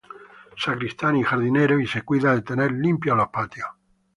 Sacristán y jardinero y se cuida de tener limpios los patios.